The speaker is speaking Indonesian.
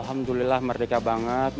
alhamdulillah merdeka banget